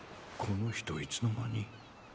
この人いつの間に。